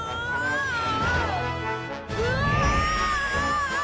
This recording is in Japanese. うわ！